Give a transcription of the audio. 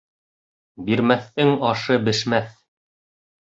Бирмәҫтең ашы бешмәҫ